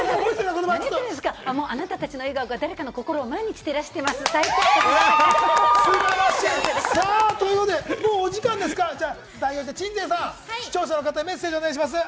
あなたたちの笑顔が誰かの心を毎日照らしてます、最高！ということで、もうお時間ですか、鎮西さん、視聴者の方へメッセージをお願いします。